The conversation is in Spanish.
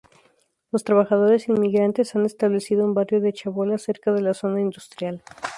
Los trabajadores inmigrantes han establecido un barrio de chabolas cerca de la zona industrial.